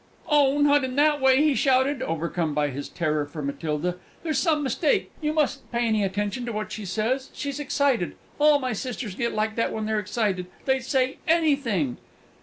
"Oh, not in that way!" he shouted, overcome by his terror for Matilda. "There's some mistake. You mustn't pay any attention to what she says: she's excited. All my sisters get like that when they're excited they'd say _any_thing!"